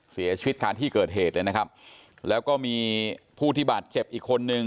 เสียชีวิตการที่เกิดเหตุเลยนะครับแล้วก็มีผู้ที่บาดเจ็บอีกคนนึง